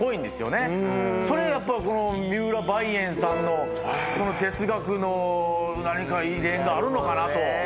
それやっぱこの三浦梅園さんのその哲学の何か遺伝があるのかなと。